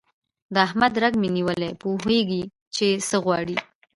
د احمد رګ مې نیولی، پوهېږ چې څه غواړي.